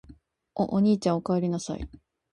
お、おにいちゃん・・・お、おかえりなさい・・・